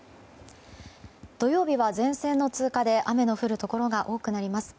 土曜日は前線の通過で雨の降るところが多くなります。